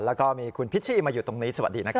แล้วก็มีคุณพิชชี่มาอยู่ตรงนี้สวัสดีนะครับ